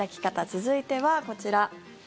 続いてはこちら。